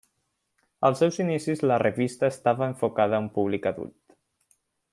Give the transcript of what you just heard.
Als seus inicis la revista estava enfocada a un públic adult.